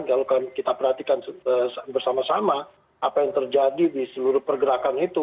kalau kita perhatikan bersama sama apa yang terjadi di seluruh pergerakan itu